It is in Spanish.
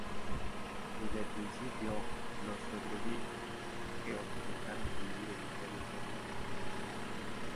Desde el principio, los Petrović-Njegoš intentaron revivir el imperio serbio medieval.